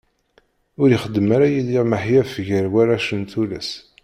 Ur ixeddem ara Yidir maḥyaf gar warrac d tullas.